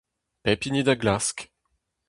Pep hini da glask.